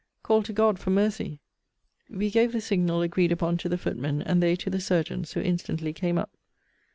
Call to God for mercy! We gave the signal agreed upon to the footmen; and they to the surgeons; who instantly came up.